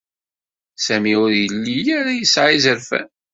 Sami ur yelli ara yesɛa izerfan.